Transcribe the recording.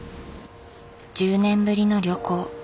１０年ぶりの旅行。